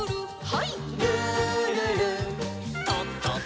はい。